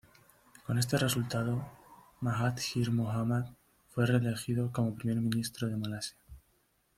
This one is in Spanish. Con este resultado, Mahathir Mohamad fue reelegido como primer ministro de Malasia.